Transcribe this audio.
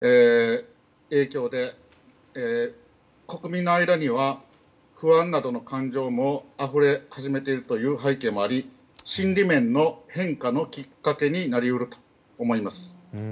経済制裁による影響で国民の間には不安などの感情もあふれ始めているという背景もあり心理面の変化のきっかけになり得ると思います。